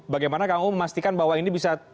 bagaimana kang uu memastikan bahwa ini bisa